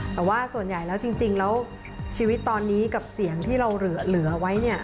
แต่ว่าส่วนใหญ่แล้วจริงแล้วชีวิตตอนนี้กับเสียงที่เราเหลือไว้เนี่ย